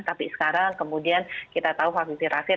tapi sekarang kemudian kita tahu vaviviravir